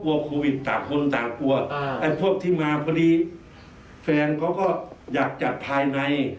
กับกววอคูวิตต่างคนต่างกว่าพวกที่มาพะดีแฟนก็ต์อยากจัดภายใน